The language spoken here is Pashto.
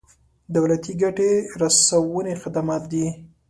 دولتي ګټې رسونې خدمات دي.